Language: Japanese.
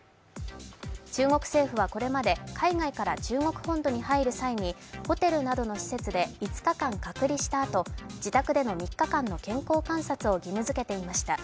中国政府はこれまで海外から本土に入る際にホテルなどの施設で５日間隔離したあと自宅での３日間の健康観察を義務づけていました。